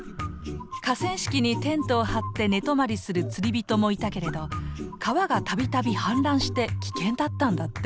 河川敷にテントを張って寝泊りする釣り人もいたけれど川がたびたび氾濫して危険だったんだって。